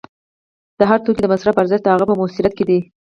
د هر توکي د مصرف ارزښت د هغه په موثریت کې دی